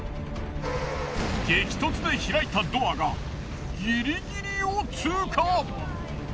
激突で開いたドアがギリギリを通過！